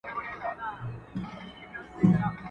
پخواني تمدنونه علمي پرمختګونه لرل